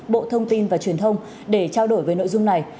bộ thông tin và truyền thông để trao đổi về nội dung này